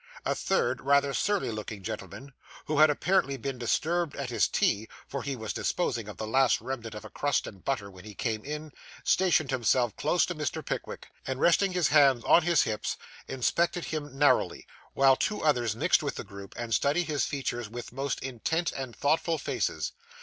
A third rather surly looking gentleman, who had apparently been disturbed at his tea, for he was disposing of the last remnant of a crust and butter when he came in, stationed himself close to Mr. Pickwick; and, resting his hands on his hips, inspected him narrowly; while two others mixed with the group, and studied his features with most intent and thoughtful faces.